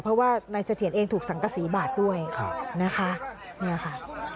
เพราะว่านายเสถียรเองถูกสังกษีบาดด้วยนะคะเนี่ยค่ะ